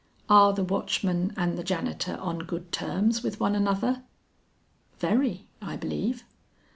"Are the watchman and the janitor on good terms with one another?" "Very, I believe."